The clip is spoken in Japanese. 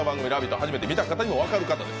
初めて見た方でも分かる方です。